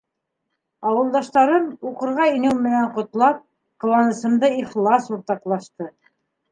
Ауылдаштарым, уҡырға инеүем менән ҡотлап, ҡыуанысымды ихлас уртаҡлашты.